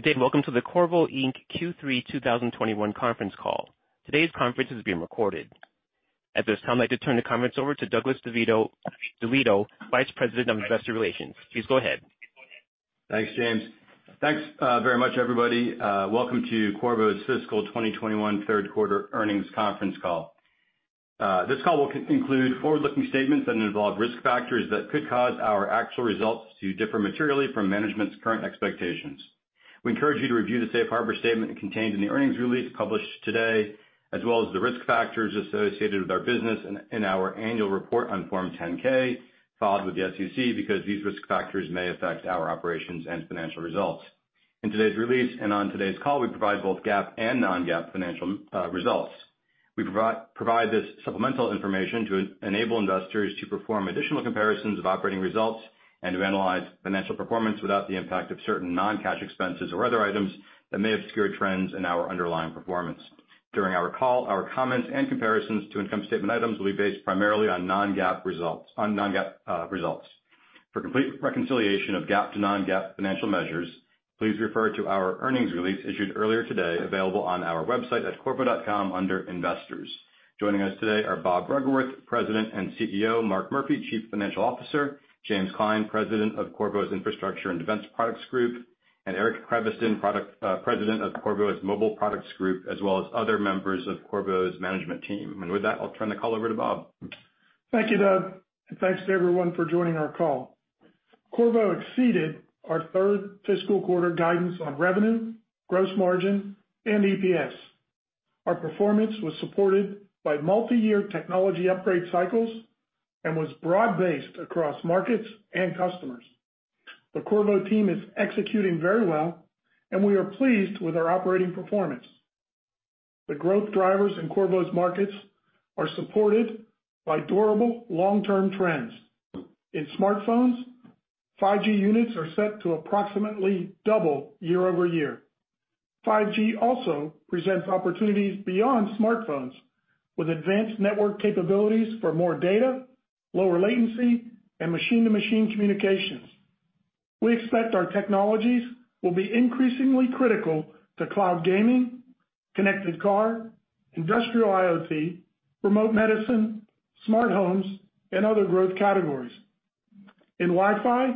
Good day. Welcome to the Qorvo Inc. Q3 2021 Conference Call. Today's conference is being recorded. At this time, I'd like to turn the conference over to Douglas DeLieto, Vice President of Investor Relations. Please go ahead. Thanks, James. Thanks very much, everybody. Welcome to Qorvo's Fiscal 2021 Third Quarter Earnings Conference Call. This call will include forward-looking statements that involve risk factors that could cause our actual results to differ materially from management's current expectations. We encourage you to review the safe harbor statement contained in the earnings release published today, as well as the risk factors associated with our business in our annual report on Form 10-K filed with the SEC, because these risk factors may affect our operations and financial results. In today's release and on today's call, we provide both GAAP and non-GAAP financial results. We provide this supplemental information to enable investors to perform additional comparisons of operating results and to analyze financial performance without the impact of certain non-cash expenses or other items that may obscure trends in our underlying performance. During our call, our comments and comparisons to income statement items will be based primarily on non-GAAP results. For complete reconciliation of GAAP to non-GAAP financial measures, please refer to our earnings release issued earlier today, available on our website at qorvo.com under Investors. Joining us today are Bob Bruggeworth, President and CEO, Mark Murphy, Chief Financial Officer, James Klein, President of Qorvo's Infrastructure and Defense Products group, and Eric Creviston, President of Qorvo's Mobile Products group, as well as other members of Qorvo's management team. With that, I'll turn the call over to Bob. Thank you, Doug, and thanks to everyone for joining our call. Qorvo exceeded our third fiscal quarter guidance on revenue, gross margin, and EPS. Our performance was supported by multi-year technology upgrade cycles and was broad-based across markets and customers. The Qorvo team is executing very well, and we are pleased with our operating performance. The growth drivers in Qorvo's markets are supported by durable long-term trends. In smartphones, 5G units are set to approximately double year-over-year. 5G also presents opportunities beyond smartphones with advanced network capabilities for more data, lower latency, and machine-to-machine communications. We expect our technologies will be increasingly critical to cloud gaming, connected car, industrial IoT, remote medicine, smart homes, and other growth categories. In Wi-Fi,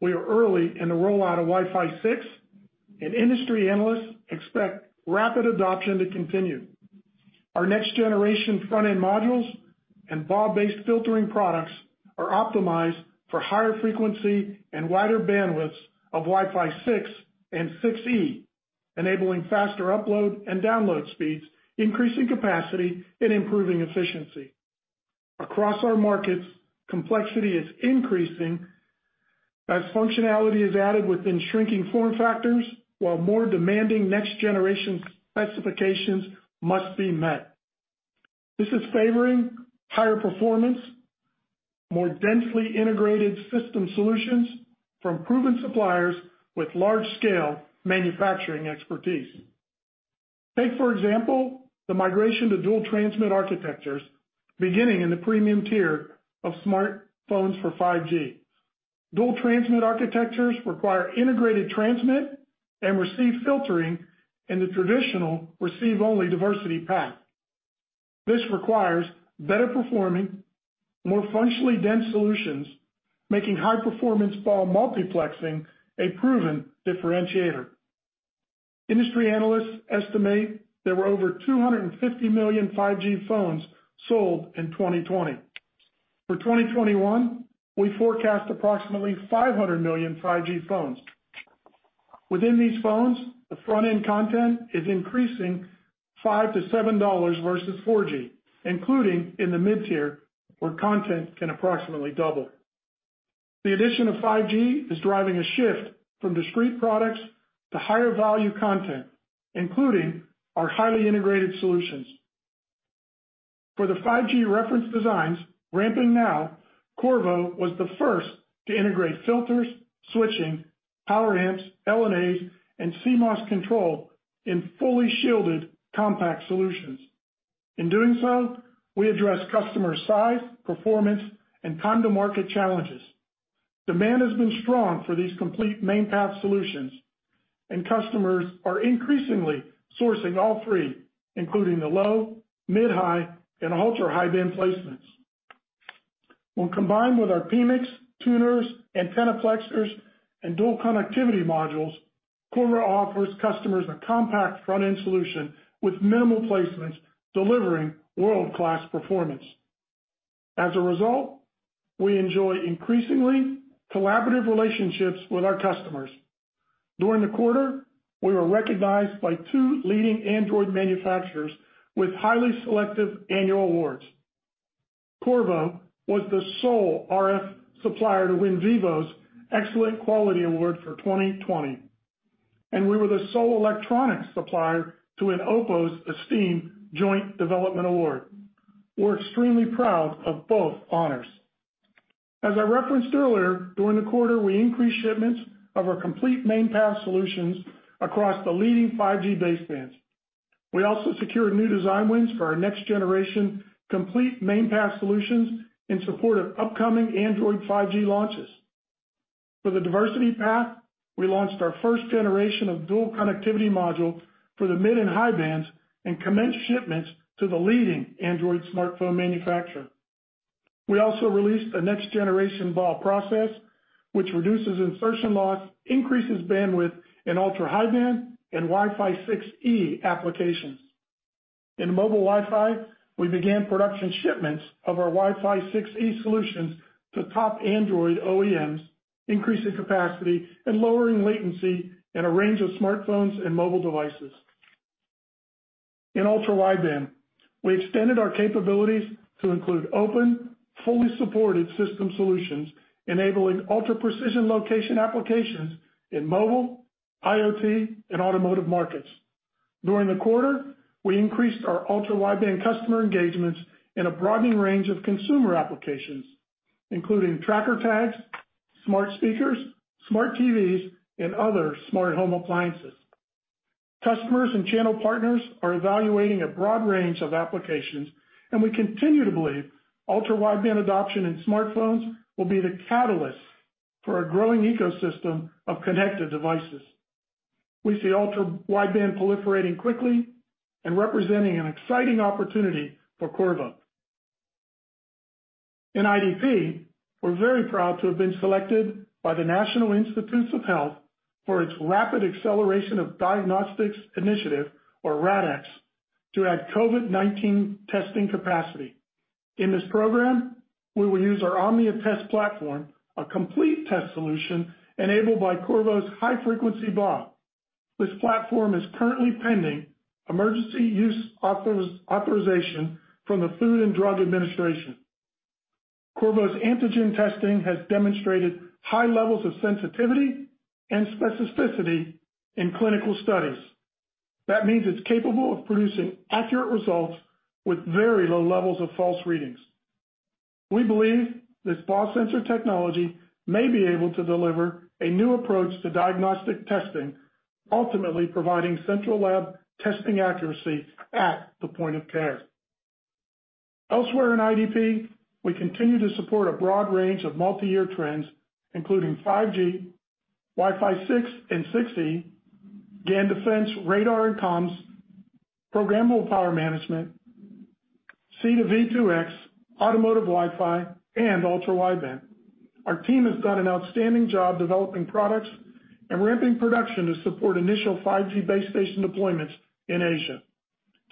we are early in the rollout of Wi-Fi 6, and industry analysts expect rapid adoption to continue. Our next-generation front-end modules and BAW-based filtering products are optimized for higher frequency and wider bandwidths of Wi-Fi 6 and 6E, enabling faster upload and download speeds, increasing capacity, and improving efficiency. Across our markets, complexity is increasing as functionality is added within shrinking form factors, while more demanding next-generation specifications must be met. This is favoring higher performance, more densely integrated system solutions from proven suppliers with large-scale manufacturing expertise. Take, for example, the migration to dual transmit architectures, beginning in the premium tier of smartphones for 5G. Dual transmit architectures require integrated transmit and receive filtering in the traditional receive-only diversity path. This requires better performing, more functionally dense solutions, making high-performance BAW multiplexing a proven differentiator. Industry analysts estimate there were over 250 million 5G phones sold in 2020. For 2021, we forecast approximately 500 million 5G phones. Within these phones, the front-end content is increasing $5-$7 versus 4G, including in the mid-tier, where content can approximately double. The addition of 5G is driving a shift from discrete products to higher value content, including our highly integrated solutions. For the 5G reference designs ramping now, Qorvo was the first to integrate filters, switching, power amps, LNAs, and CMOS control in fully shielded compact solutions. In doing so, we address customer size, performance, and time to market challenges. Demand has been strong for these complete main path solutions, and customers are increasingly sourcing all three, including the low, mid-high, and ultra-high band placements. When combined with our PMICs, tuners, antenna plexers, and dual connectivity modules, Qorvo offers customers a compact front-end solution with minimal placements, delivering world-class performance. As a result, we enjoy increasingly collaborative relationships with our customers. During the quarter, we were recognized by two leading Android manufacturers with highly selective annual awards. Qorvo was the sole RF supplier to win Vivo's Excellent Quality Award for 2020, and we were the sole electronics supplier to win OPPO's esteemed Joint Development Award. We're extremely proud of both honors. As I referenced earlier, during the quarter, we increased shipments of our complete main path solutions across the leading 5G basebands. We also secured new design wins for our next generation complete main path solutions in support of upcoming Android 5G launches. For the diversity path, we launched our first generation of dual connectivity module for the mid and high bands, and commenced shipments to the leading Android smartphone manufacturer. We also released a next generation BAW process, which reduces insertion loss, increases bandwidth in ultra-high band and Wi-Fi 6E applications. In mobile Wi-Fi, we began production shipments of our Wi-Fi 6E solutions to top Android OEMs, increasing capacity and lowering latency in a range of smartphones and mobile devices. In ultra-wideband, we extended our capabilities to include open, fully supported system solutions, enabling ultra-precision location applications in mobile, IoT, and automotive markets. During the quarter, we increased our ultra-wideband customer engagements in a broadening range of consumer applications, including tracker tags, smart speakers, smart TVs, and other smart home appliances. Customers and channel partners are evaluating a broad range of applications. We continue to believe ultra-wideband adoption in smartphones will be the catalyst for a growing ecosystem of connected devices. We see ultra-wideband proliferating quickly and representing an exciting opportunity for Qorvo. In IDP, we're very proud to have been selected by the National Institutes of Health for its Rapid Acceleration of Diagnostics initiative, or RADx, to add COVID-19 testing capacity. In this program, we will use our Omnia Test platform, a complete test solution enabled by Qorvo's high-frequency BAW. This platform is currently pending emergency use authorization from the Food and Drug Administration. Qorvo's antigen testing has demonstrated high levels of sensitivity and specificity in clinical studies. That means it's capable of producing accurate results with very low levels of false readings. We believe this BAW sensor technology may be able to deliver a new approach to diagnostic testing, ultimately providing central lab testing accuracy at the point of care. Elsewhere in IDP, we continue to support a broad range of multi-year trends, including 5G, Wi-Fi 6 and 6E, GaN defense, radar and comms, programmable power management, C-V2X, automotive Wi-Fi, and ultrawideband. Our team has done an outstanding job developing products and ramping production to support initial 5G base station deployments in Asia.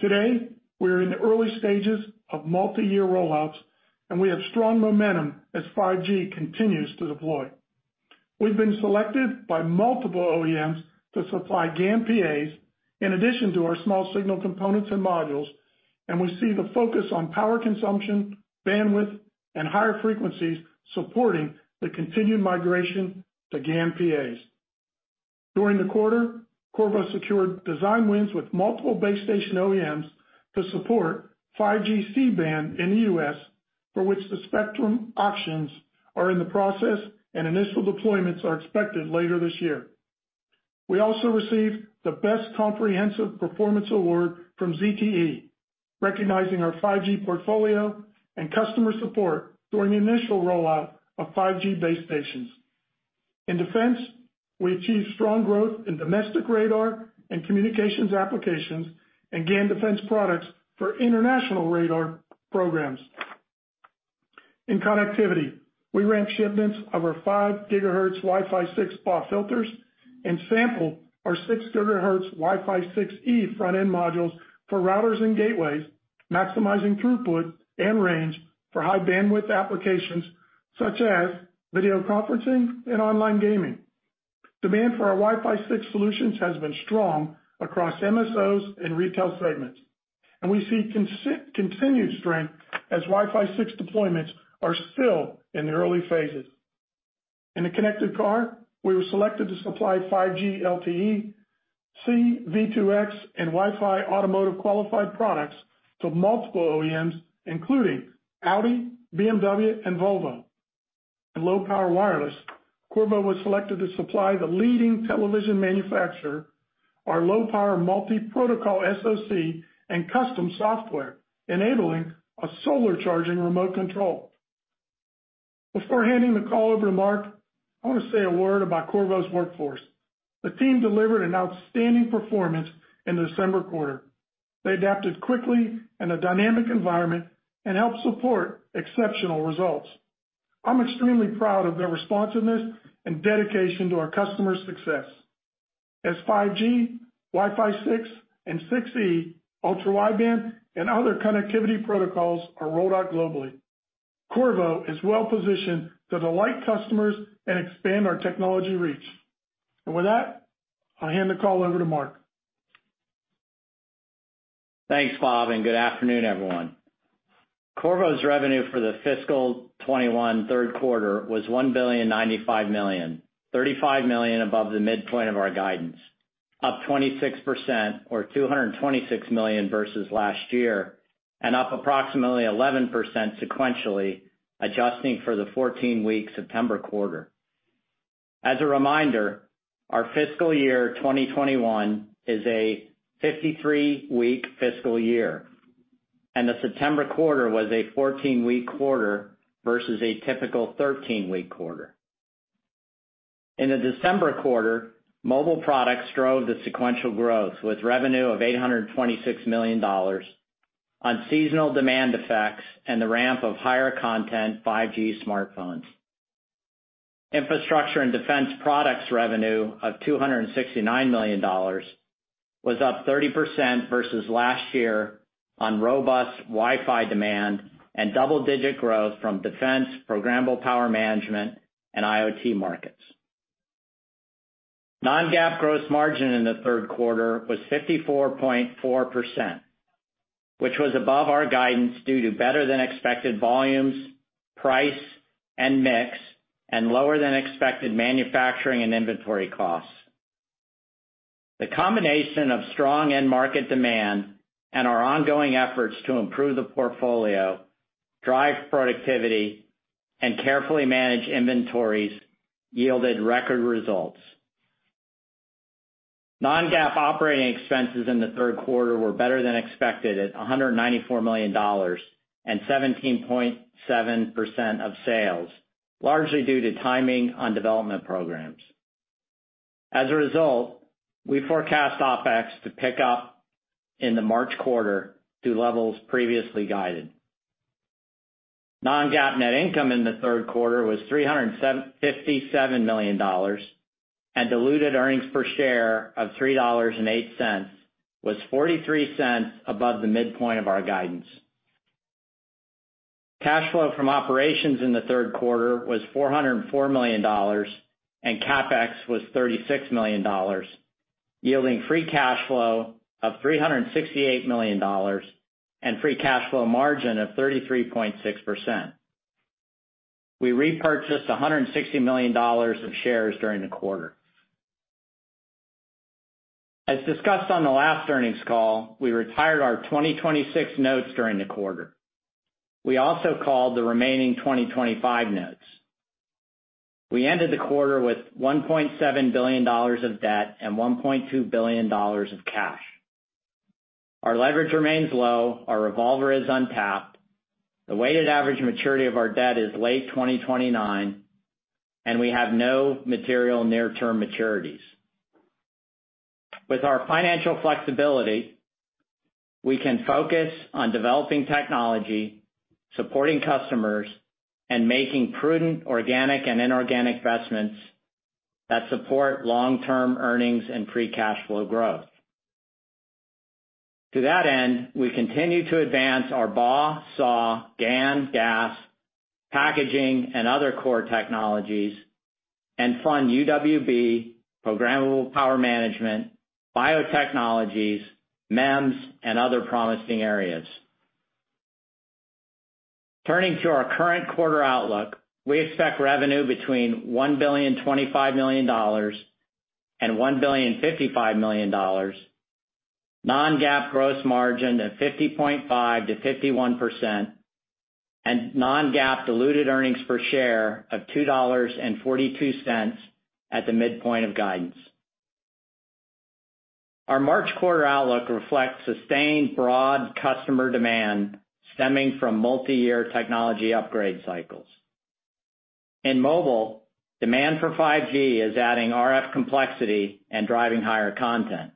Today, we are in the early stages of multi-year rollouts, and we have strong momentum as 5G continues to deploy. We've been selected by multiple OEMs to supply GaN PAs, in addition to our small signal components and modules, and we see the focus on power consumption, bandwidth, and higher frequencies supporting the continued migration to GaN PAs. During the quarter, Qorvo secured design wins with multiple base station OEMs to support 5G C-band in the U.S., for which the spectrum auctions are in the process, and initial deployments are expected later this year. We also received the Best Comprehensive Performance Award from ZTE, recognizing our 5G portfolio and customer support during the initial rollout of 5G base stations. In defense, we achieved strong growth in domestic radar and communications applications and GaN defense products for international radar programs. In connectivity, we ramped shipments of our 5 GHz Wi-Fi 6 BAW filters and sampled our 6 GHz Wi-Fi 6E front-end modules for routers and gateways, maximizing throughput and range for high bandwidth applications such as video conferencing and online gaming. Demand for our Wi-Fi 6 solutions has been strong across MSOs and retail segments. We see continued strength as Wi-Fi 6 deployments are still in the early phases. In the connected car, we were selected to supply 5G LTE, C-V2X, and Wi-Fi automotive qualified products to multiple OEMs, including Audi, BMW, and Volvo. In low-power wireless, Qorvo was selected to supply the leading television manufacturer our low-power multi-protocol SoC and custom software, enabling a solar charging remote control. Before handing the call over to Mark, I want to say a word about Qorvo's workforce. The team delivered an outstanding performance in the December quarter. They adapted quickly in a dynamic environment and helped support exceptional results. I'm extremely proud of their responsiveness and dedication to our customers' success. As 5G, Wi-Fi 6 and 6E, ultrawideband, and other connectivity protocols are rolled out globally, Qorvo is well positioned to delight customers and expand our technology reach. With that, I'll hand the call over to Mark. Thanks, Bob, good afternoon, everyone. Qorvo's revenue for the fiscal year 2021 third quarter was $1.095 billion, $35 million above the midpoint of our guidance, up 26%, or $226 million versus last year, and up approximately 11% sequentially, adjusting for the 14-week September quarter. As a reminder, our fiscal year 2021 is a 53-week fiscal year, and the September quarter was a 14-week quarter versus a typical 13-week quarter. In the December quarter, Mobile Products drove the sequential growth with revenue of $826 million on seasonal demand effects and the ramp of higher content 5G smartphones. Infrastructure and Defense Products revenue of $269 million was up 30% versus last year on robust Wi-Fi demand and double-digit growth from defense, programmable power management, and IoT markets. Non-GAAP gross margin in the third quarter was 54.4%, which was above our guidance due to better than expected volumes, price, and mix, and lower than expected manufacturing and inventory costs. The combination of strong end market demand and our ongoing efforts to improve the portfolio, drive productivity, and carefully manage inventories yielded record results. Non-GAAP operating expenses in the third quarter were better than expected at $194 million and 17.7% of sales, largely due to timing on development programs. As a result, we forecast OpEx to pick up in the March quarter to levels previously guided. Non-GAAP net income in the third quarter was $357 million and diluted earnings per share of $3.08 was $0.43 above the midpoint of our guidance. Cash flow from operations in the third quarter was $404 million and CapEx was $36 million, yielding free cash flow of $368 million and free cash flow margin of 33.6%. We repurchased $160 million of shares during the quarter. As discussed on the last earnings call, we retired our 2026 notes during the quarter. We also called the remaining 2025 notes. We ended the quarter with $1.7 billion of debt and $1.2 billion of cash. Our leverage remains low. Our revolver is untapped. The weighted average maturity of our debt is late 2029, and we have no material near-term maturities. With our financial flexibility, we can focus on developing technology, supporting customers, and making prudent organic and inorganic investments that support long-term earnings and free cash flow growth. To that end, we continue to advance our BAW, SAW, GaN, GaAs, packaging, and other core technologies and fund UWB, programmable power management, biotechnologies, MEMS, and other promising areas. Turning to our current quarter outlook, we expect revenue between $1.025 billion and $1.055 billion, non-GAAP gross margin of 50.5%-51%, and non-GAAP diluted earnings per share of $2.42 at the midpoint of guidance. Our March quarter outlook reflects sustained broad customer demand stemming from multi-year technology upgrade cycles. In mobile, demand for 5G is adding RF complexity and driving higher content.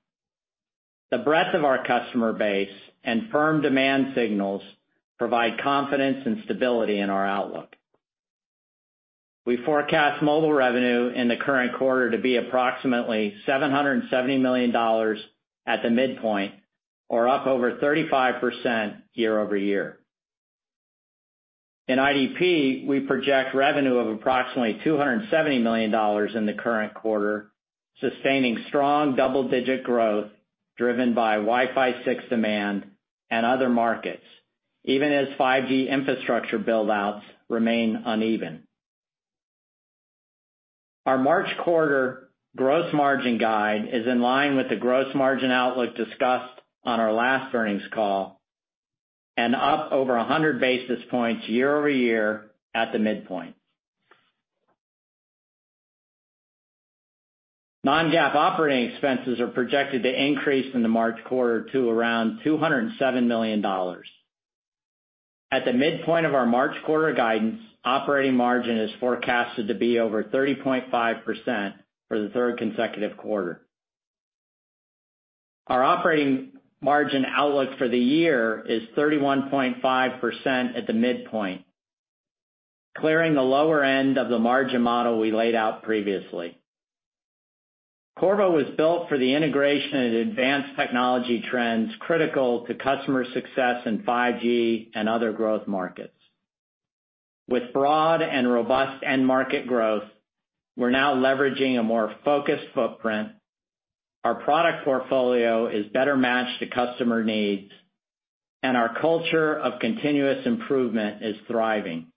The breadth of our customer base and firm demand signals provide confidence and stability in our outlook. We forecast mobile revenue in the current quarter to be approximately $770 million at the midpoint, or up over 35% year-over-year. In IDP, we project revenue of approximately $270 million in the current quarter, sustaining strong double-digit growth driven by Wi-Fi 6 demand and other markets, even as 5G infrastructure build-outs remain uneven. Our March quarter gross margin guide is in line with the gross margin outlook discussed on our last earnings call and up over 100 basis points year-over-year at the midpoint. non-GAAP operating expenses are projected to increase in the March quarter to around $207 million. At the midpoint of our March quarter guidance, operating margin is forecasted to be over 30.5% for the third consecutive quarter. Our operating margin outlook for the year is 31.5% at the midpoint, clearing the lower end of the margin model we laid out previously. Qorvo was built for the integration of advanced technology trends critical to customer success in 5G and other growth markets. With broad and robust end market growth, we're now leveraging a more focused footprint. Our product portfolio is better matched to customer needs, and our culture of continuous improvement is thriving.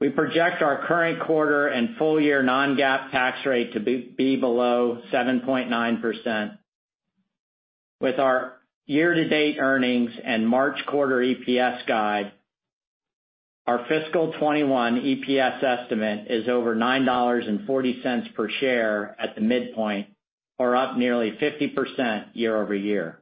We project our current quarter and full year non-GAAP tax rate to be below 7.9%. With our year-to-date earnings and March quarter EPS guide, our fiscal 2021 EPS estimate is over $9.40 per share at the midpoint, or up nearly 50% year-over-year.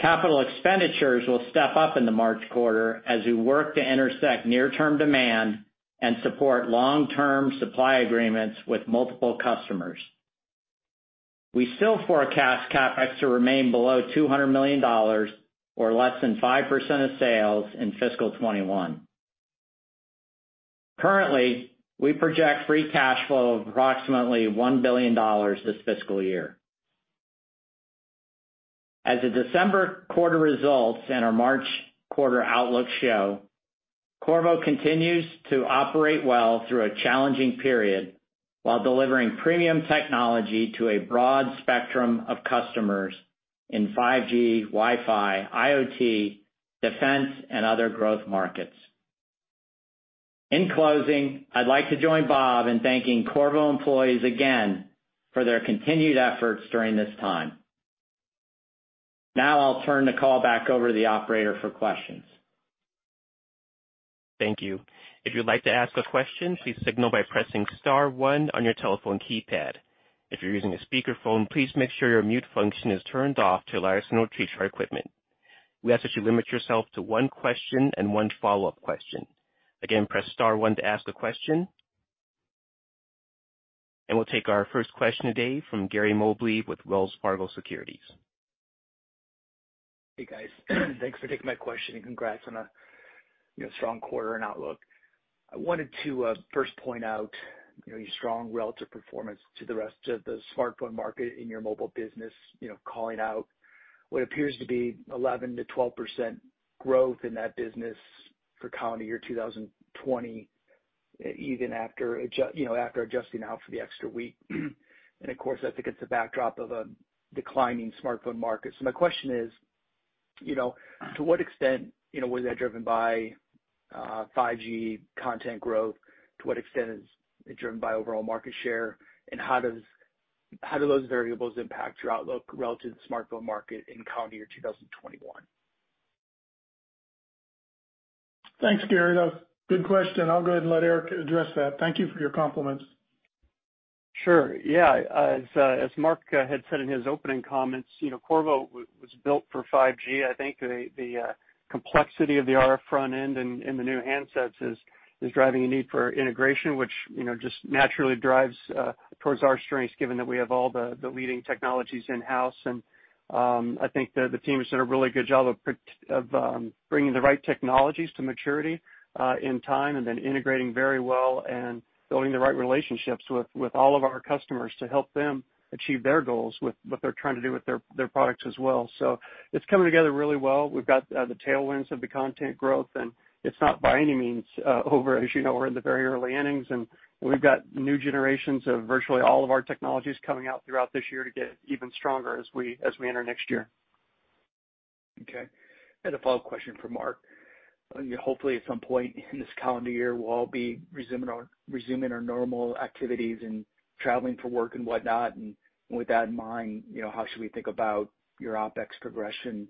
Capital expenditures will step up in the March quarter as we work to intersect near-term demand and support long-term supply agreements with multiple customers. We still forecast CapEx to remain below $200 million or less than 5% of sales in fiscal 2021. Currently, we project free cash flow of approximately $1 billion this fiscal year. As the December quarter results and our March quarter outlook show, Qorvo continues to operate well through a challenging period while delivering premium technology to a broad spectrum of customers in 5G, Wi-Fi, IoT, defense, and other growth markets. In closing, I'd like to join Bob in thanking Qorvo employees again for their continued efforts during this time. Now I'll turn the call back over to the operator for questions. Thank you. If you'd like to ask a question, please signal by pressing star one on your telephone keypad. If you're using a speakerphone, please make sure your mute function is turned off to allow us to know to trace our equipment. We ask that you limit yourself to one question and one follow-up question. Again, press star one to ask a question. We'll take our first question today from Gary Mobley with Wells Fargo Securities. Hey, guys. Thanks for taking my question, and congrats on a strong quarter and outlook. I wanted to first point out your strong relative performance to the rest of the smartphone market in your mobile business, calling out what appears to be 11%-12% growth in that business for calendar year 2020, even after adjusting out for the extra week. Of course, I think it's a backdrop of a declining smartphone market. My question is, to what extent was that driven by 5G content growth? To what extent is it driven by overall market share? How do those variables impact your outlook relative to the smartphone market in calendar year 2021? Thanks, Gary. That's a good question. I'll go ahead and let Eric address that. Thank you for your compliments. Sure. Yeah. As Mark had said in his opening comments, Qorvo was built for 5G. I think the complexity of the RF front end in the new handsets is driving a need for integration, which just naturally drives towards our strengths, given that we have all the leading technologies in-house. I think the team has done a really good job of bringing the right technologies to maturity in time, and then integrating very well and building the right relationships with all of our customers to help them achieve their goals with what they're trying to do with their products as well. It's coming together really well. We've got the tailwinds of the content growth, and it's not by any means over. As you know, we're in the very early innings, and we've got new generations of virtually all of our technologies coming out throughout this year to get even stronger as we enter next year. Okay. A follow-up question for Mark. Hopefully, at some point in this calendar year, we'll all be resuming our normal activities and traveling for work and whatnot. With that in mind, how should we think about your OpEx progression,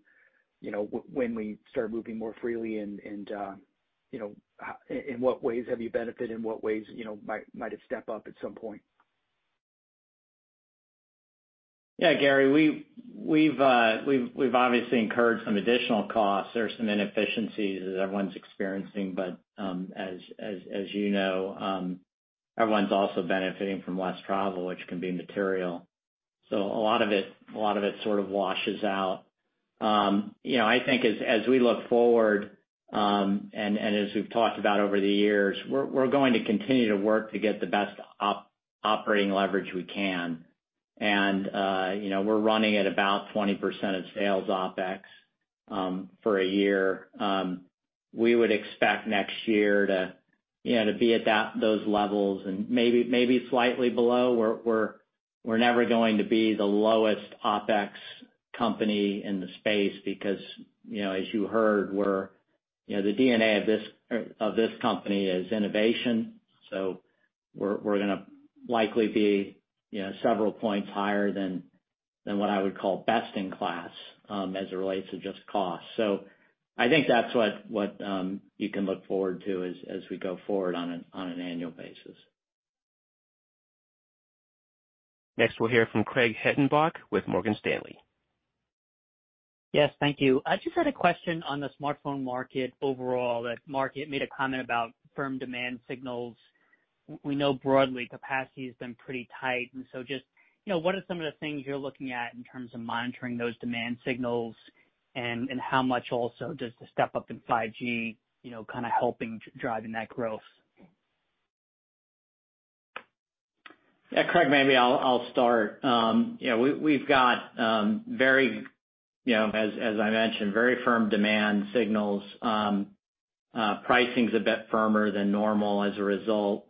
when we start moving more freely? In what ways have you benefited, and what ways might it step up at some point? Yeah, Gary, we've obviously incurred some additional costs. There are some inefficiencies that everyone's experiencing, but, as you know, everyone's also benefiting from less travel, which can be material. A lot of it sort of washes out. I think as we look forward, and as we've talked about over the years, we're going to continue to work to get the best operating leverage we can. We're running at about 20% of sales OpEx for a year. We would expect next year to be at those levels and maybe slightly below. We're never going to be the lowest OpEx company in the space because, as you heard, the DNA of this company is innovation. We're going to likely be several points higher than what I would call best in class, as it relates to just cost. I think that's what you can look forward to as we go forward on an annual basis. Next, we'll hear from Craig Hettenbach with Morgan Stanley. Yes, thank you. I just had a question on the smartphone market overall, that Mark had made a comment about firm demand signals. We know broadly capacity has been pretty tight, and so just, what are some of the things you're looking at in terms of monitoring those demand signals? How much also does the step-up in 5G kind of helping driving that growth? Yeah, Craig, maybe I'll start. We've got, as I mentioned, very firm demand signals. Pricing's a bit firmer than normal as a result.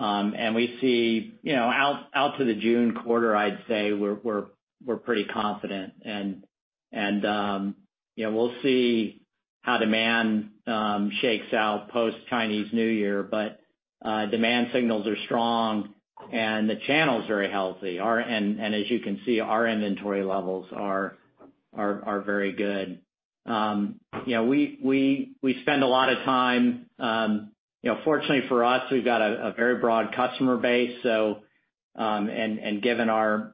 We see out to the June quarter, I'd say we're pretty confident. We'll see how demand shakes out post-Chinese New Year. Demand signals are strong and the channel's very healthy. As you can see, our inventory levels are very good. We spend a lot of time, fortunately for us, we've got a very broad customer base, and given our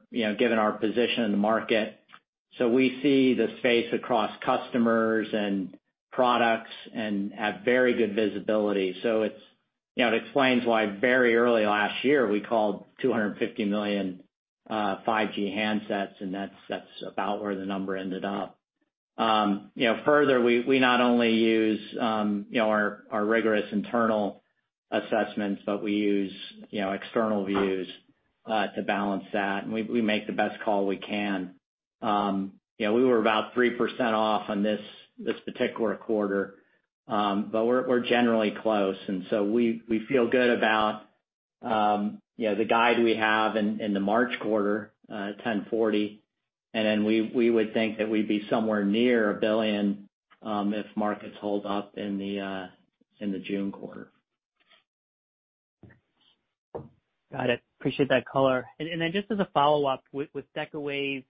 position in the market. We see the space across customers and products and have very good visibility. It explains why very early last year, we called 250 million 5G handsets, and that's about where the number ended up. Further, we not only use our rigorous internal assessments, but we use external views to balance that, and we make the best call we can. We were about 3% off on this particular quarter, but we're generally close. We feel good about the guide we have in the March quarter, $1,040, and then we would think that we'd be somewhere near $1 billion, if markets hold up in the June quarter. Got it. Appreciate that color. Just as a follow-up, with Decawave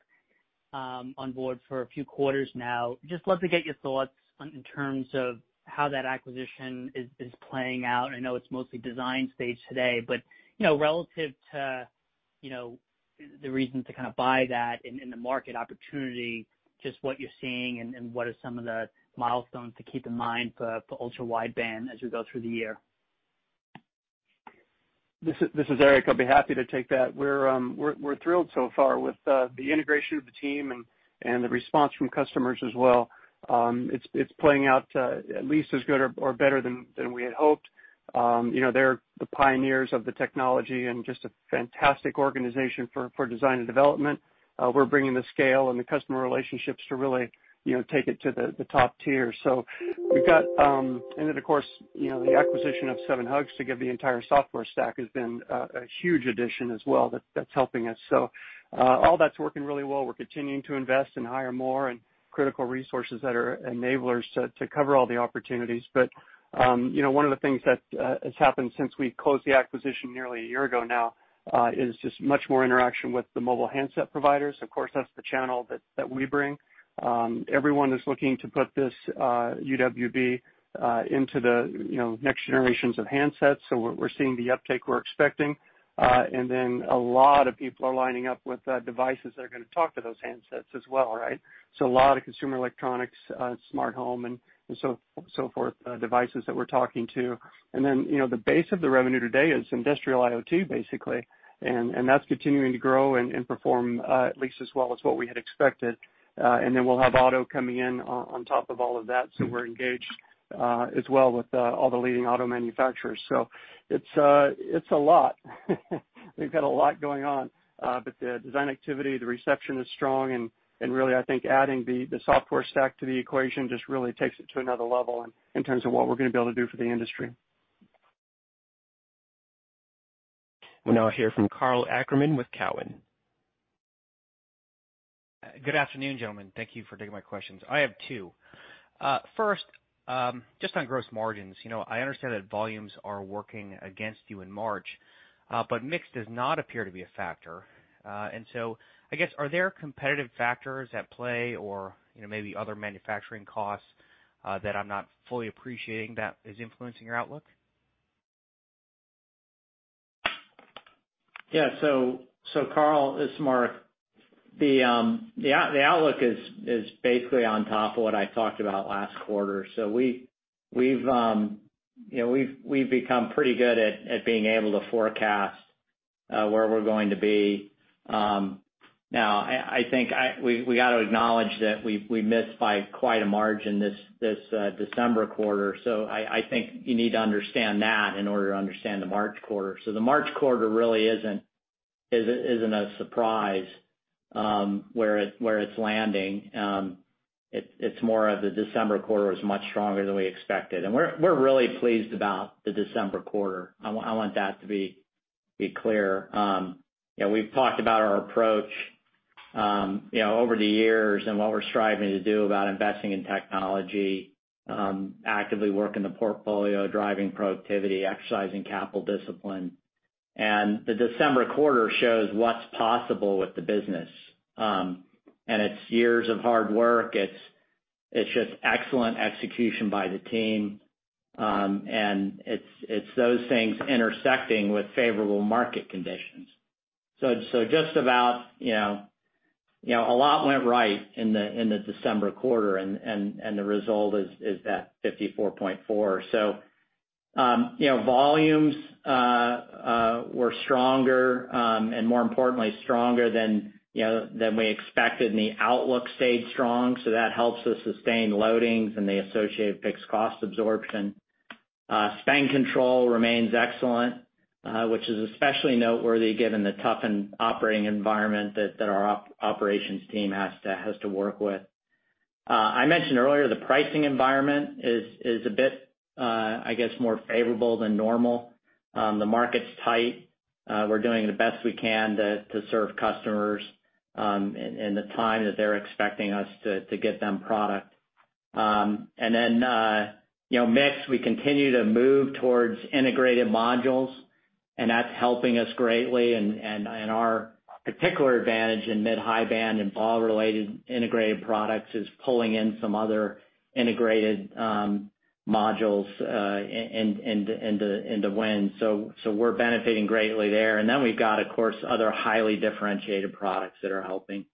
on board for a few quarters now, just love to get your thoughts in terms of how that acquisition is playing out. I know it's mostly design stage today, but relative to the reason to buy that in the market opportunity, just what you're seeing and what are some of the milestones to keep in mind for ultra wideband as we go through the year. This is Eric. I'll be happy to take that. We're thrilled so far with the integration of the team and the response from customers as well. It's playing out at least as good or better than we had hoped. They're the pioneers of the technology and just a fantastic organization for design and development. We're bringing the scale and the customer relationships to really take it to the top tier. Of course, the acquisition of 7Hugs to give the entire software stack has been a huge addition as well, that's helping us. All that's working really well. We're continuing to invest and hire more and critical resources that are enablers to cover all the opportunities. One of the things that has happened since we closed the acquisition nearly a year ago now, is just much more interaction with the mobile handset providers. Of course, that's the channel that we bring. Everyone is looking to put this UWB into the next generations of handsets. we're seeing the uptake we're expecting. A lot of people are lining up with devices that are going to talk to those handsets as well, right? A lot of consumer electronics, smart home, and so forth, devices that we're talking to. The base of the revenue today is industrial IoT, basically. That's continuing to grow and perform at least as well as what we had expected. We'll have auto coming in on top of all of that, so we're engaged as well with all the leading auto manufacturers. It's a lot. We've got a lot going on. The design activity, the reception is strong, and really, I think adding the software stack to the equation just really takes it to another level in terms of what we're going to be able to do for the industry. We'll now hear from Karl Ackerman with Cowen. Good afternoon, gentlemen. Thank you for taking my questions. I have two. First, just on gross margins. I understand that volumes are working against you in March, but mix does not appear to be a factor. I guess, are there competitive factors at play or maybe other manufacturing costs that I'm not fully appreciating that is influencing your outlook? Yeah. Karl, it's Mark. The outlook is basically on top of what I talked about last quarter. We've become pretty good at being able to forecast where we're going to be. Now, I think we got to acknowledge that we missed by quite a margin this December quarter. I think you need to understand that in order to understand the March quarter. The March quarter really isn't a surprise, where it's landing. It's more of the December quarter was much stronger than we expected. We're really pleased about the December quarter. I want that to be clear. We've talked about our approach over the years and what we're striving to do about investing in technology, actively working the portfolio, driving productivity, exercising capital discipline. The December quarter shows what's possible with the business. It's years of hard work. It's just excellent execution by the team. It's those things intersecting with favorable market conditions. Just about a lot went right in the December quarter, and the result is that 54.4%. Volumes were stronger, and more importantly, stronger than we expected, and the outlook stayed strong, so that helps us sustain loadings and the associated fixed cost absorption. Spend control remains excellent, which is especially noteworthy given the toughened operating environment that our operations team has to work with. I mentioned earlier the pricing environment is a bit, I guess, more favorable than normal. The market's tight. We're doing the best we can to serve customers in the time that they're expecting us to get them product. Mix, we continue to move towards integrated modules, and that's helping us greatly. Our particular advantage in mid-high band and BAW-related integrated products is pulling in some other integrated modules into win. We're benefiting greatly there. We've got, of course, other highly differentiated products that are helping.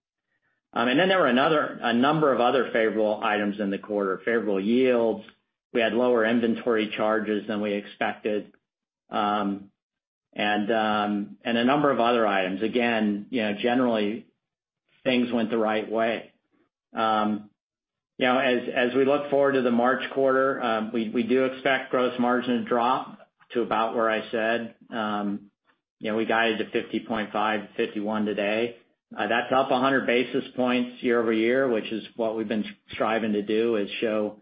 There were a number of other favorable items in the quarter. Favorable yields. We had lower inventory charges than we expected, and a number of other items. Again, generally, things went the right way. As we look forward to the March quarter, we do expect gross margin to drop to about where I said. We guided to 50.5%-51% today. That's up 100 basis points year-over-year, which is what we've been striving to do, is show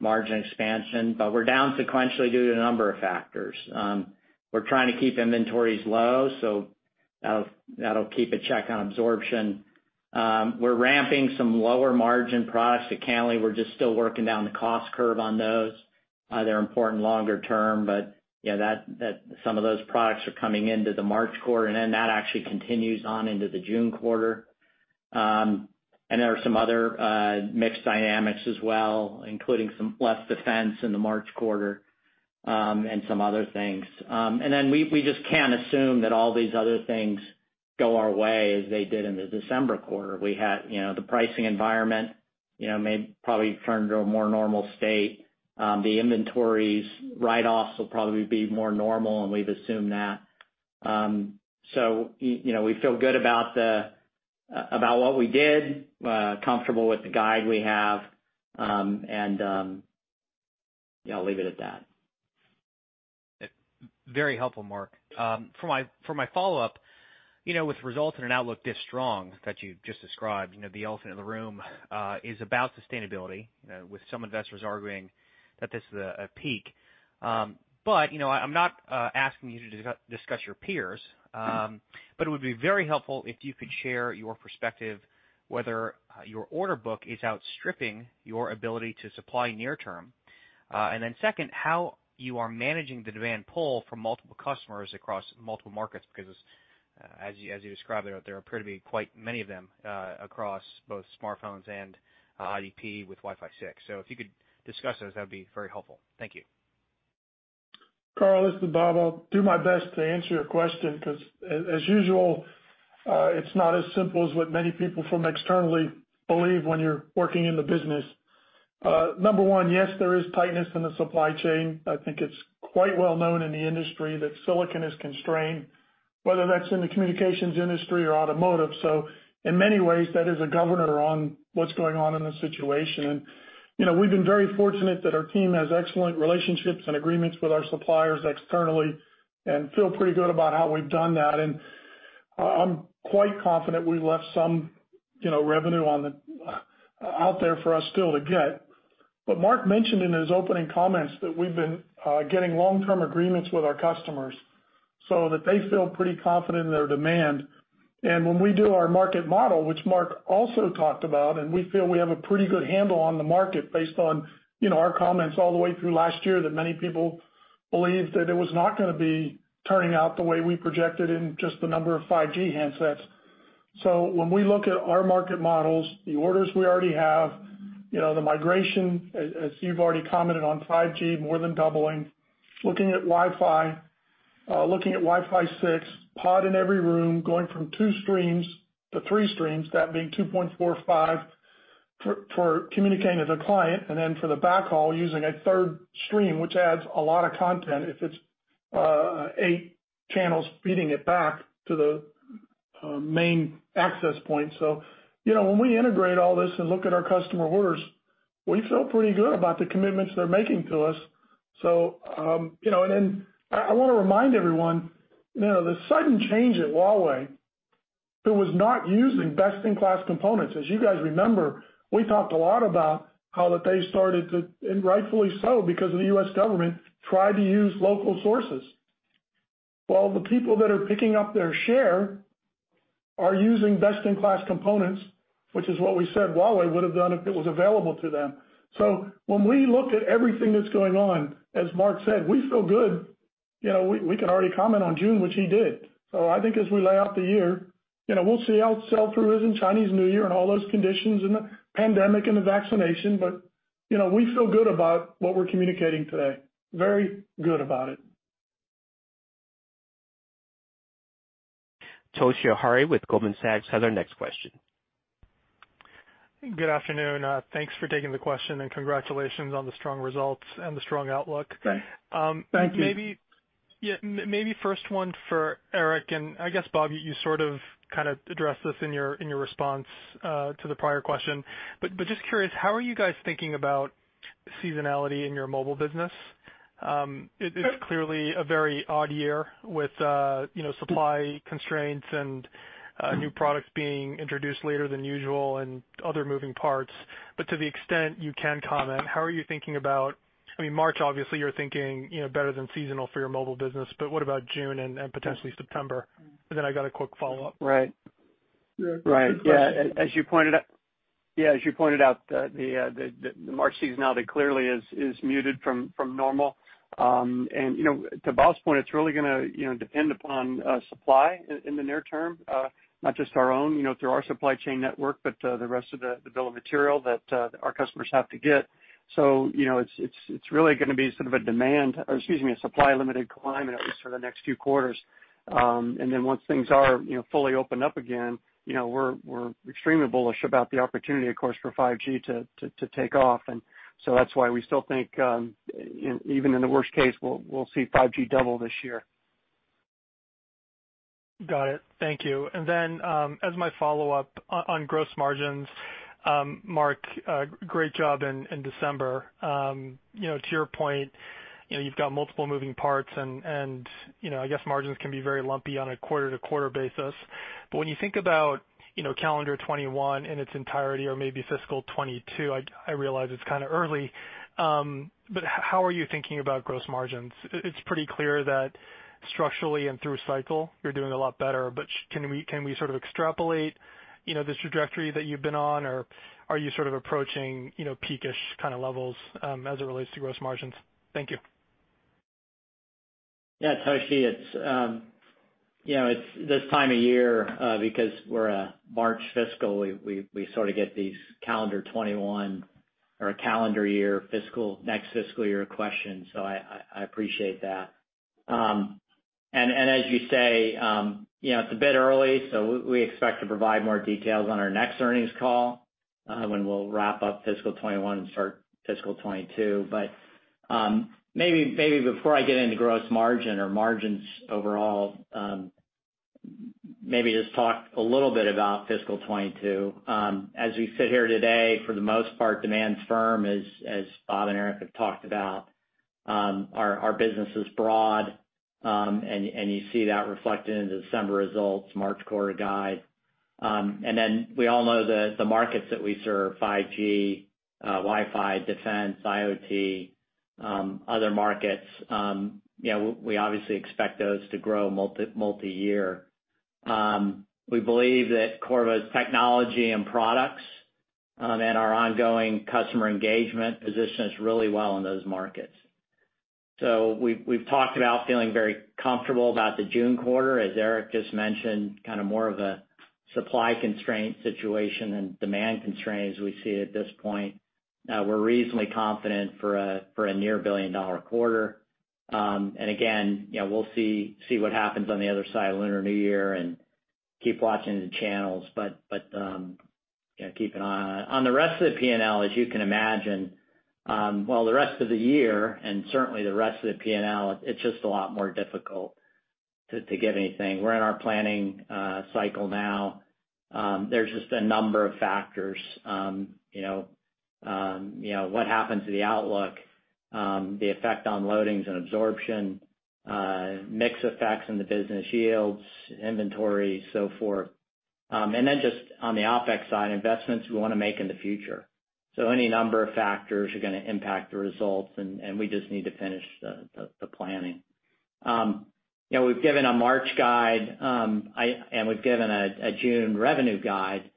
margin expansion. We're down sequentially due to a number of factors. We're trying to keep inventories low, so that'll keep a check on absorption. We're ramping some lower-margin products so currently we're just still working down the cost curve on those. They're important longer term, but some of those products are coming into the March quarter, and then that actually continues on into the June quarter. There are some other mixed dynamics as well, including some less defense in the March quarter, and some other things. We just can't assume that all these other things go our way as they did in the December quarter. The pricing environment may probably turn to a more normal state. The inventories write-offs will probably be more normal, and we've assumed that. We feel good about what we did, comfortable with the guide we have, and I'll leave it at that. Very helpful, Mark. For my follow-up, with results and an outlook this strong that you just described, the elephant in the room is about sustainability, with some investors arguing that this is a peak. I'm not asking you to discuss your peers, but it would be very helpful if you could share your perspective whether your order book is outstripping your ability to supply near term. second, how you are managing the demand pull from multiple customers across multiple markets, because as you described, there appear to be quite many of them across both smartphones and IDP with Wi-Fi 6. if you could discuss those, that would be very helpful. Thank you. Karl, this is Bob. I'll do my best to answer your question because, as usual, it's not as simple as what many people from externally believe when you're working in the business. Number one, yes, there is tightness in the supply chain. I think it's quite well known in the industry that silicon is constrained, whether that's in the communications industry or automotive. In many ways, that is a governor on what's going on in the situation. We've been very fortunate that our team has excellent relationships and agreements with our suppliers externally and feel pretty good about how we've done that. I'm quite confident we left some revenue out there for us still to get. Mark mentioned in his opening comments that we've been getting long-term agreements with our customers so that they feel pretty confident in their demand. When we do our market model, which Mark also talked about, and we feel we have a pretty good handle on the market based on our comments all the way through last year that many people believed that it was not going to be turning out the way we projected in just the number of 5G handsets. When we look at our market models, the orders we already have, the migration, as you've already commented on 5G, more than doubling. Looking at Wi-Fi 6, pod in every room, going from two streams to three streams, that being 2.45 for communicating to the client, and then for the backhaul, using a third stream, which adds a lot of content if it's eight channels feeding it back to the main access point. When we integrate all this and look at our customer orders, we feel pretty good about the commitments they're making to us. I want to remind everyone, the sudden change at Huawei, who was not using best-in-class components. As you guys remember, we talked a lot about how that they started to, and rightfully so, because of the U.S. government, try to use local sources. Well, the people that are picking up their share are using best-in-class components, which is what we said Huawei would have done if it was available to them. When we look at everything that's going on, as Mark said, we feel good. We can already comment on June, which he did. I think as we lay out the year, we'll see how sell-through is in Chinese New Year and all those conditions and the pandemic and the vaccination. We feel good about what we're communicating today. Very good about it. Toshiya Hari with Goldman Sachs has our next question. Good afternoon. Thanks for taking the question and congratulations on the strong results and the strong outlook. Thank you. Maybe first one for Eric, and I guess, Bob, you sort of addressed this in your response to the prior question. Just curious, how are you guys thinking about seasonality in your mobile business? It's clearly a very odd year with supply constraints and new products being introduced later than usual and other moving parts. To the extent you can comment, how are you thinking about, March, obviously, you're thinking better than seasonal for your mobile business, but what about June and potentially September? Then I got a quick follow-up. Right. Right. Yeah. As you pointed out, the March season now that clearly is muted from normal. To Bob's point, it's really going to depend upon supply in the near term, not just our own through our supply chain network, but the rest of the bill of material that our customers have to get. It's really going to be sort of a supply-limited climate, at least for the next few quarters. Once things are fully opened up again, we're extremely bullish about the opportunity, of course, for 5G to take off. That's why we still think, even in the worst case, we'll see 5G double this year. Got it. Thank you. As my follow-up on gross margins, Mark, great job in December. To your point, you've got multiple moving parts, and I guess margins can be very lumpy on a quarter-to-quarter basis. When you think about calendar 2021 in its entirety or maybe fiscal 2022, I realize it's kind of early, but how are you thinking about gross margins? It's pretty clear that structurally and through cycle, you're doing a lot better. Can we sort of extrapolate this trajectory that you've been on? Are you sort of approaching peakish kind of levels as it relates to gross margins? Thank you. Yeah, Toshiya, it's this time of year because we're a March fiscal, we sort of get these calendar 2021 or calendar year fiscal, next fiscal year questions, so I appreciate that. as you say, it's a bit early, so we expect to provide more details on our next earnings call, when we'll wrap up fiscal 2021 and start fiscal 2022. maybe before I get into gross margin or margins overall, maybe just talk a little bit about fiscal 2022. As we sit here today, for the most part, demand's firm, as Bob and Eric have talked about. Our business is broad, and you see that reflected in the December results, March quarter guide. we all know the markets that we serve, 5G, Wi-Fi, defense, IoT, other markets, we obviously expect those to grow multi-year. We believe that Qorvo's technology and products, and our ongoing customer engagement positions really well in those markets. We've talked about feeling very comfortable about the June quarter, as Eric just mentioned, kind of more of a supply constraint situation than demand constraints we see at this point. We're reasonably confident for a near billion-dollar quarter. Again, we'll see what happens on the other side of Lunar New Year and keep watching the channels, but keep an eye on it. On the rest of the P&L, as you can imagine, well, the rest of the year, and certainly the rest of the P&L, it's just a lot more difficult to give anything. We're in our planning cycle now. There's just a number of factors. What happens to the outlook? The effect on loadings and absorption, mix effects in the business yields, inventory, so forth. Just on the OpEx side, investments we want to make in the future. any number of factors are going to impact the results, and we just need to finish the planning. We've given a March guide, and we've given a June revenue guide,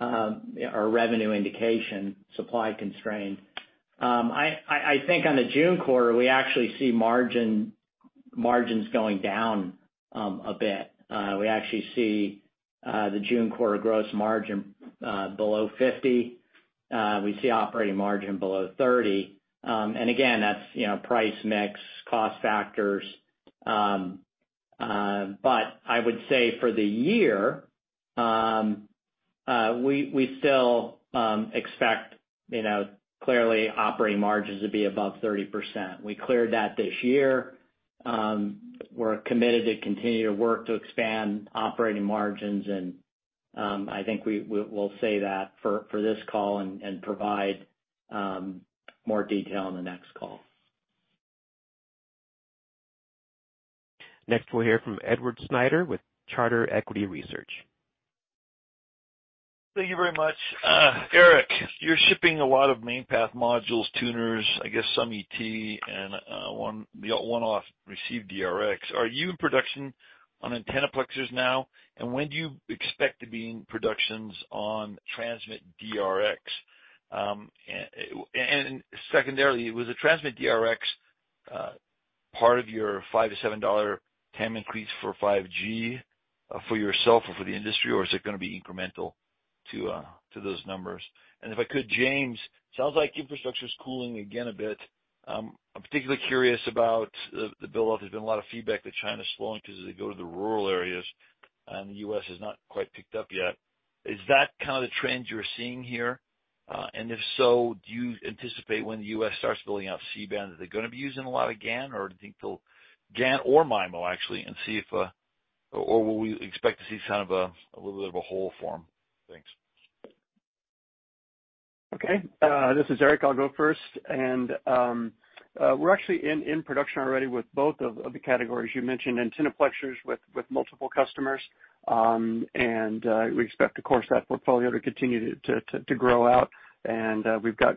or revenue indication, supply constraint. I think on the June quarter, we actually see margins going down a bit. We actually see the June quarter gross margin below 50%. We see operating margin below 30%. again, that's price mix, cost factors. I would say for the year, we still expect clearly operating margins to be above 30%. We cleared that this year. We're committed to continue to work to expand operating margins, and I think we'll say that for this call and provide more detail on the next call. Next, we'll hear from Edward Snyder with Charter Equity Research. Thank you very much. Eric, you're shipping a lot of main path modules, tuners, I guess some ET, and one-off receive DRx. Are you in production on antenna plexers now? When do you expect to be in production on transmit DRx? Secondarily, was the transmit DRx part of your $5-$7 TAM increase for 5G for yourself or for the industry, or is it going to be incremental to those numbers? If I could, James, sounds like infrastructure's cooling again a bit. I'm particularly curious about the build-off. There's been a lot of feedback that China's slowing because as they go to the rural areas, and the U.S. has not quite picked up yet. Is that kind of the trend you're seeing here? If so, do you anticipate when the U.S. starts building out C-band, are they going to be using a lot of GaN, or do you think they'll GaN or MIMO, actually, and see if or will we expect to see sort of a little bit of a hole form? Thanks. Okay. This is Eric, I'll go first. We're actually in production already with both of the categories you mentioned, antenna multiplexers with multiple customers. We expect, of course, that portfolio to continue to grow out. We've got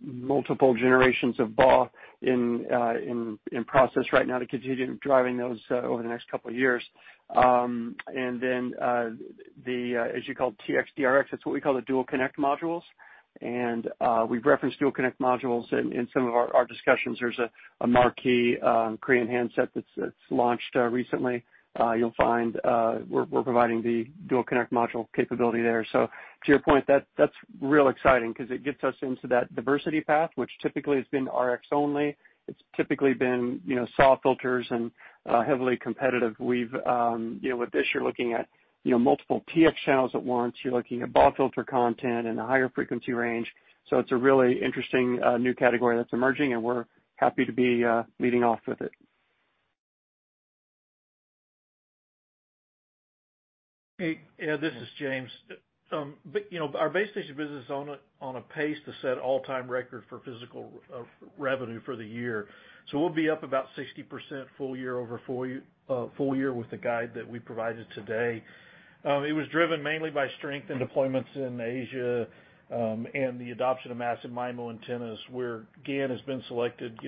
multiple generations of BAW in process right now to continue driving those over the next couple of years. As you called Tx DRx, that's what we call the dual connect modules. We've referenced dual connect modules in some of our discussions. There's a marquee Korean handset that's launched recently. You'll find we're providing the dual connect module capability there. To your point, that's real exciting because it gets us into that diversity path, which typically has been RX only. It's typically been SAW filters and heavily competitive. With this, you're looking at multiple TX channels at once. You're looking at BAW filter content and a higher frequency range. It's a really interesting new category that's emerging, and we're happy to be leading off with it. Hey, yeah, this is James. Our base station business is on a pace to set all-time record for physical revenue for the year. We'll be up about 60% full year over full year with the guide that we provided today. It was driven mainly by strength and deployments in Asia and the adoption of massive MIMO antennas, where GaN has been selected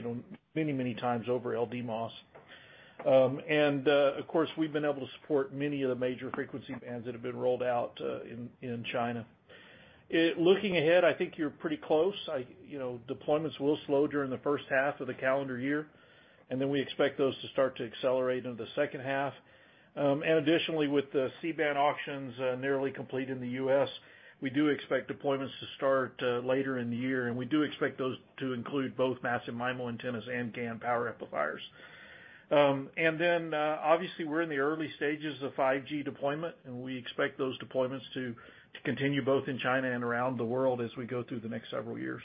many times over LDMOS. Of course, we've been able to support many of the major frequency bands that have been rolled out in China. Looking ahead, I think you're pretty close. Deployments will slow during the first half of the calendar year, and then we expect those to start to accelerate into the second half. Additionally, with the C-band auctions nearly complete in the U.S., we do expect deployments to start later in the year, and we do expect those to include both massive MIMO antennas and GaN power amplifiers. Obviously, we're in the early stages of 5G deployment, and we expect those deployments to continue both in China and around the world as we go through the next several years.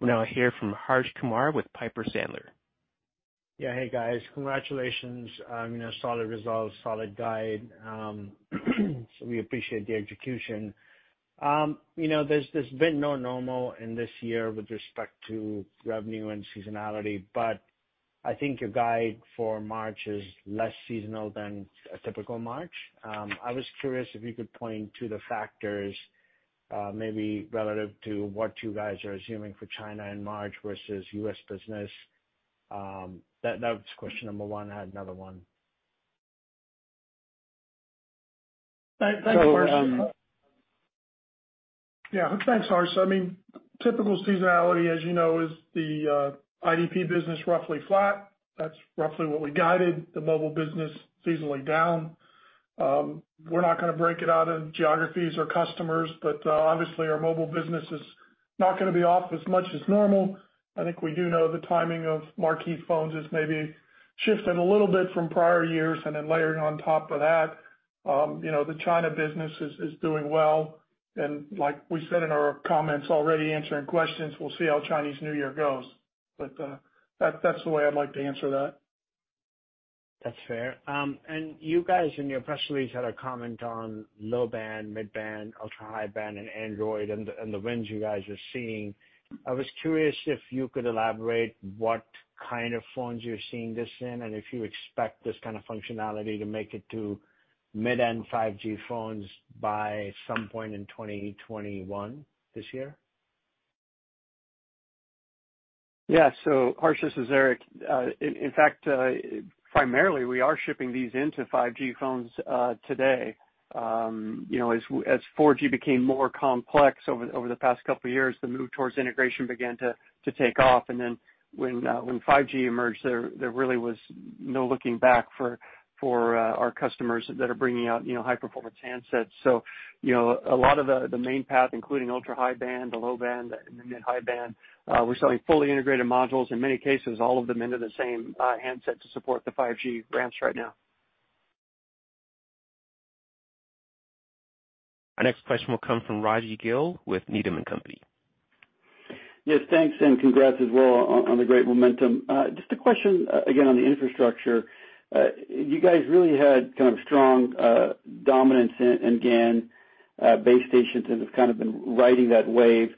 We'll now hear from Harsh Kumar with Piper Sandler. Yeah. Hey, guys. Congratulations on your solid results, solid guide. We appreciate the execution. There's been no normal in this year with respect to revenue and seasonality, but I think your guide for March is less seasonal than a typical March. I was curious if you could point to the factors maybe relative to what you guys are assuming for China in March versus U.S. business. That was question number one. I had another one. Thanks, Harsh. Typical seasonality, as you know, is the IDP business roughly flat. That's roughly what we guided, the mobile business seasonally down. We're not going to break it out in geographies or customers, but obviously, our mobile business is not going to be off as much as normal. I think we do know the timing of marquee phones is maybe shifting a little bit from prior years, and then layering on top of that. The China business is doing well. like we said in our comments already answering questions, we'll see how Chinese New Year goes. that's the way I'd like to answer that. That's fair. You guys in your press release had a comment on low band, mid band, ultra-high band, and Android and the wins you guys are seeing. I was curious if you could elaborate what kind of phones you're seeing this in, and if you expect this kind of functionality to make it to mid-end 5G phones by some point in 2021, this year. Yeah. Harsh, this is Eric. In fact, primarily, we are shipping these into 5G phones today. As 4G became more complex over the past couple of years, the move towards integration began to take off. Then when 5G emerged, there really was no looking back for our customers that are bringing out high-performance handsets. A lot of the main path, including ultra-high band to low band and the mid/high band, we're selling fully integrated modules, in many cases, all of them into the same handset to support the 5G ramps right now. Our next question will come from Raji Gill with Needham and Company. Yes, thanks, and congrats as well on the great momentum. Just a question again on the infrastructure. You guys really had kind of strong dominance in GaN base stations and have kind of been riding that wave.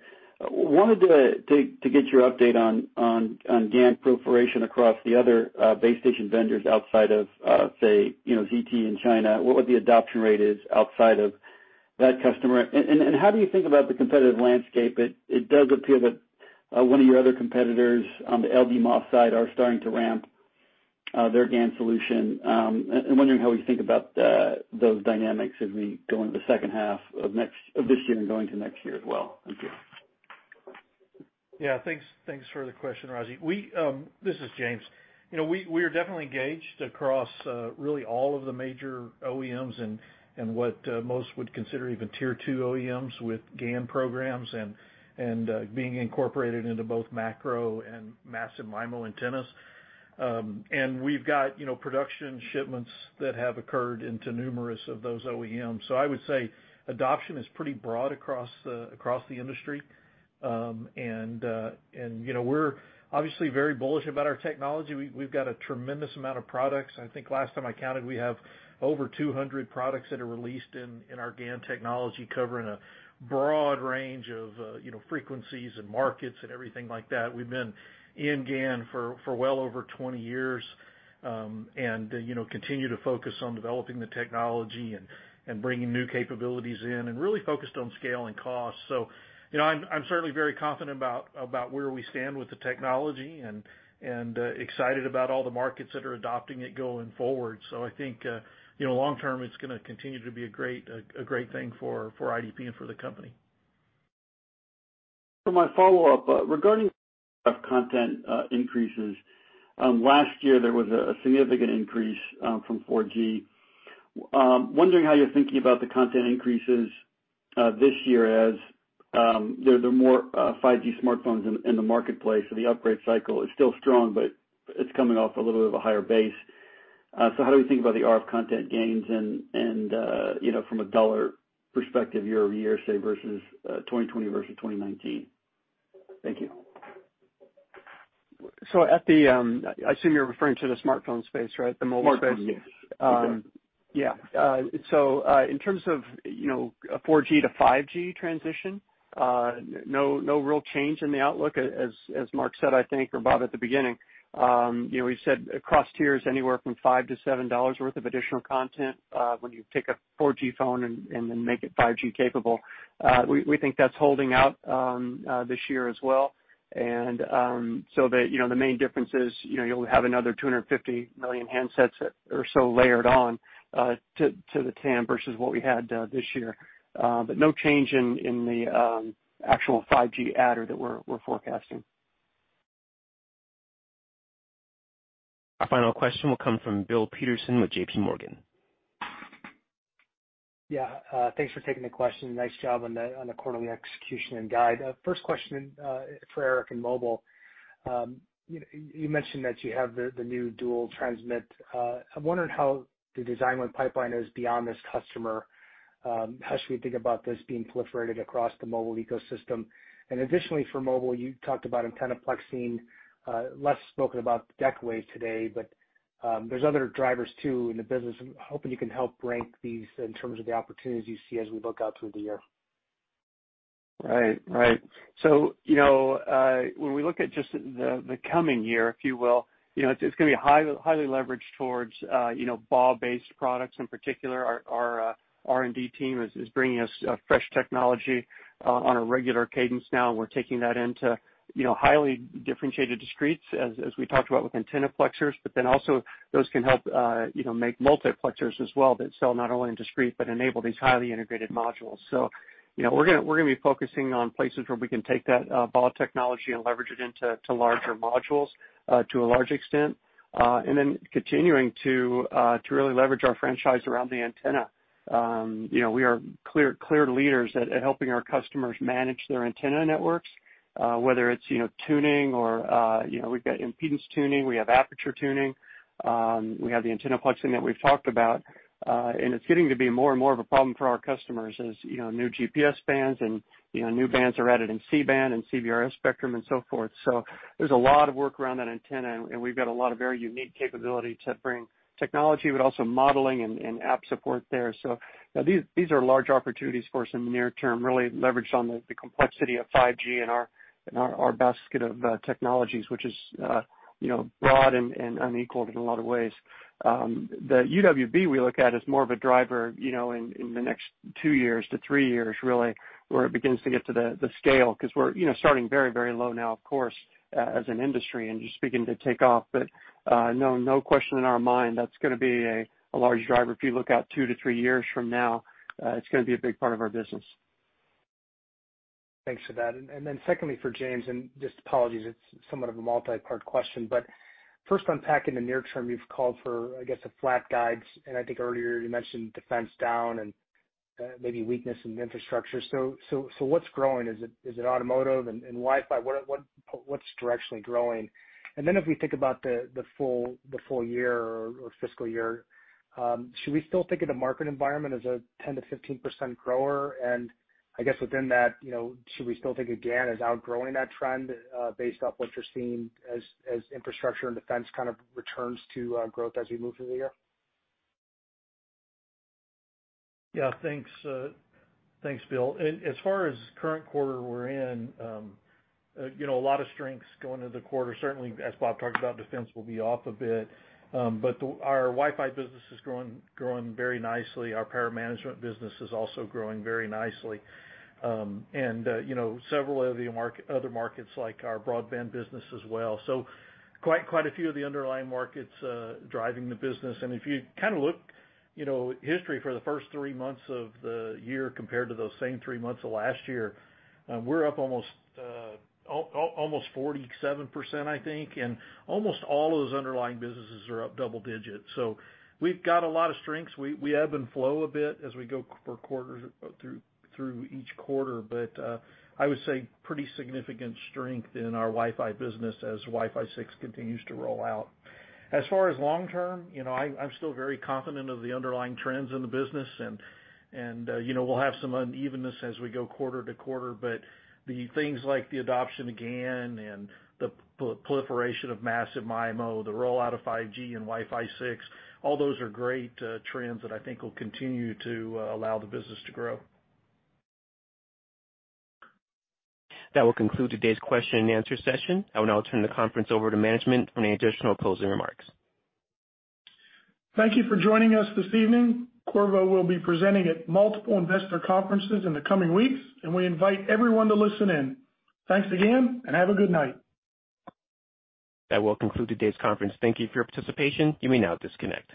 Wanted to get your update on GaN proliferation across the other base station vendors outside of, say, ZTE in China, what the adoption rate is outside of that customer, and how do you think about the competitive landscape? It does appear that one of your other competitors on the LDMOS side are starting to ramp their GaN solution. I'm wondering how we think about those dynamics as we go into the second half of this year and go into next year as well. Thank you. Yeah. Thanks for the question, Raji. This is James. We are definitely engaged across really all of the major OEMs and what most would consider even Tier 2 OEMs with GaN programs and being incorporated into both macro and massive MIMO antennas. We've got production shipments that have occurred into numerous of those OEMs. I would say adoption is pretty broad across the industry. We're obviously very bullish about our technology. We've got a tremendous amount of products. I think last time I counted, we have over 200 products that are released in our GaN technology, covering a broad range of frequencies and markets and everything like that. We've been in GaN for well over 20 years, and continue to focus on developing the technology and bringing new capabilities in, and really focused on scaling costs. I'm certainly very confident about where we stand with the technology and excited about all the markets that are adopting it going forward. I think, long-term, it's going to continue to be a great thing for IDP and for the company. For my follow-up, regarding RF content increases, last year there was a significant increase from 4G. I'm wondering how you're thinking about the content increases this year as there are more 5G smartphones in the marketplace. The upgrade cycle is still strong, but it's coming off a little bit of a higher base. How do we think about the RF content gains and from a dollar perspective year-over-year, say, versus 2020 versus 2019? Thank you. I assume you're referring to the smartphone space, right? The mobile space. Smartphone, yes. You bet. Yeah. In terms of a 4G to 5G transition, no real change in the outlook. As Mark said, I think, or Bob at the beginning, we said across tiers, anywhere from $5-$7 worth of additional content, when you take a 4G phone and then make it 5G capable. We think that's holding out this year as well, and so that the main difference is you'll have another 250 million handsets or so layered on to the TAM versus what we had this year. No change in the actual 5G adder that we're forecasting. Our final question will come from Bill Peterson with JPMorgan. Yeah. Thanks for taking the question. Nice job on the quarterly execution and guide. First question for Eric in mobile. You mentioned that you have the new dual transmit. I'm wondering how the design win pipeline is beyond this customer. How should we think about this being proliferated across the mobile ecosystem? Additionally, for mobile, you talked about antenna plexing, less spoken about Decawave today, but there's other drivers too in the business. I'm hoping you can help rank these in terms of the opportunities you see as we look out through the year. Right. When we look at just the coming year, if you will, it's gonna be highly leveraged towards BAW-based products. In particular, our R&D team is bringing us fresh technology on a regular cadence now, and we're taking that into highly differentiated discretes, as we talked about with antenna plexers, but then also those can help make multiplexers as well that sell not only in discrete, but enable these highly integrated modules. We're gonna be focusing on places where we can take that BAW technology and leverage it into larger modules to a large extent, and then continuing to really leverage our franchise around the antenna. We are clear leaders at helping our customers manage their antenna networks, whether it's tuning or we've got impedance tuning, we have aperture tuning, we have the antenna plexing that we've talked about. It's getting to be more and more of a problem for our customers as new GPS bands and new bands are added in C-band and CBRS spectrum and so forth. There's a lot of work around that antenna, and we've got a lot of very unique capability to bring technology, but also modeling and app support there. These are large opportunities for us in the near term, really leveraged on the complexity of 5G and our basket of technologies, which is broad and unequaled in a lot of ways. The UWB, we look at as more of a driver in the next two years to three years, really, where it begins to get to the scale, because we're starting very low now, of course, as an industry and just beginning to take off. No question in our mind, that's gonna be a large driver. If you look out two to three years from now, it's gonna be a big part of our business. Thanks for that. Secondly, for James, and just apologies, it's somewhat of a multi-part question, but first unpacking the near term, you've called for, I guess, a flat guide, and I think earlier you mentioned defense down and maybe weakness in infrastructure. What's growing? Is it automotive and Wi-Fi? What's directionally growing? As we think about the full year or fiscal year, should we still think of the market environment as a 10%-15% grower? I guess within that, should we still think of GaN as outgrowing that trend based off what you're seeing as infrastructure and defense kind of returns to growth as we move through the year? Yeah. Thanks, Bill. As far as current quarter we're in, a lot of strengths going into the quarter. Certainly, as Bob talked about, defense will be off a bit. Our Wi-Fi business is growing very nicely. Our power management business is also growing very nicely. Several of the other markets, like our broadband business as well. Quite a few of the underlying markets driving the business. If you kind of look history for the first three months of the year compared to those same three months of last year, we're up almost 47%, I think, and almost all of those underlying businesses are up double digit. We've got a lot of strengths. We ebb and flow a bit as we go through each quarter. I would say pretty significant strength in our Wi-Fi business as Wi-Fi 6 continues to roll out. As far as long-term, I'm still very confident of the underlying trends in the business and we'll have some unevenness as we go quarter to quarter, but the things like the adoption of GaN and the proliferation of massive MIMO, the rollout of 5G and Wi-Fi 6, all those are great trends that I think will continue to allow the business to grow. That will conclude today's question and answer session. I will now turn the conference over to management for any additional closing remarks. Thank you for joining us this evening. Qorvo will be presenting at multiple investor conferences in the coming weeks, and we invite everyone to listen in. Thanks again, and have a good night. That will conclude today's conference. Thank you for your participation. You may now disconnect.